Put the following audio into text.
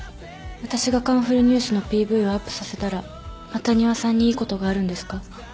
私が『カンフルＮＥＷＳ』のＰＶをアップさせたらまた仁和さんにいいことがあるんですか？